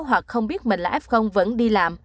hoặc không biết mình là f vẫn đi làm